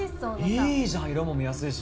いいじゃん色も見やすいし！